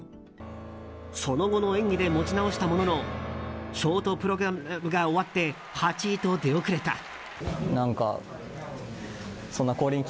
その後の演技で持ち直したもののショートプログラムが終わって８位と出遅れた。